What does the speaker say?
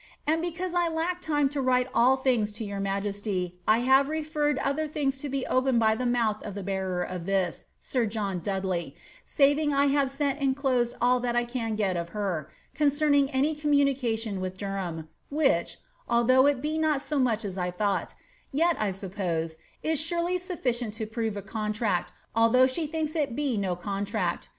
And because I lack time to write all things to your migesty, I have referred other things to be opened by the mouth of the bearer of this, sir John Dudley, saving I have sent enclosed all that I can get of her, concerning any communication with Derham, which, although it be not so much as I thought, ret, I suppose, is surely sufficient to prove a contract, although she thinks it be no contract.